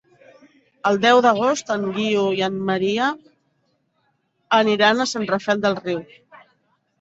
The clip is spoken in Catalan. El deu d'agost en Guiu i en Maria aniran a Sant Rafel del Riu.